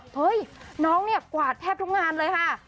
เฮ้ยน้องเนี่ยกวาดแทบทุกงานเลยค่ะ